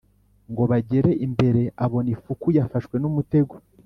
Ngo bagere imbere, abona ifuku yafashwe n'umutego